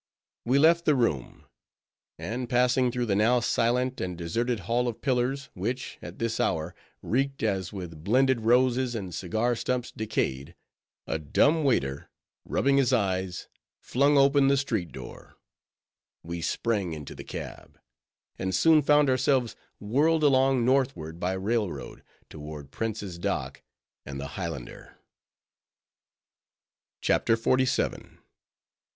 We left the room; and passing through the now silent and deserted hall of pillars, which, at this hour, reeked as with blended roses and cigar stumps decayed; a dumb waiter; rubbing his eyes, flung open the street door; we sprang into the cab; and soon found ourselves whirled along northward by railroad, toward Prince's Dock and the Highlander. CHAPTER XLVII.